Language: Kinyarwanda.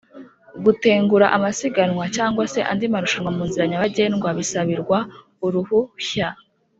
Gutengura amasiganwa cg se andi marushanwa munzira nyabagendwa bisabirwa uruhuhya